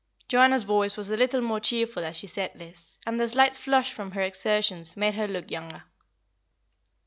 Joanna's voice was a little more cheerful as she said this, and the slight flush from her exertions made her look younger.